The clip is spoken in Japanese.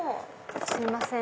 すいません。